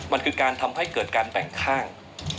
มันคือการทำให้เกิดการแต่งข้าง